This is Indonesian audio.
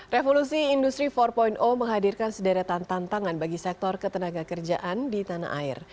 revolusi industri empat menghadirkan sederetan tantangan bagi sektor ketenaga kerjaan di tanah air